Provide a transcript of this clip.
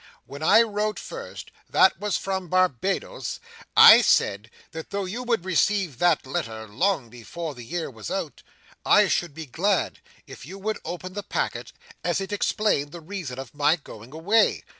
"When I wrote first—that was from Barbados—I said that though you would receive that letter long before the year was out, I should be glad if you would open the packet, as it explained the reason of my going away.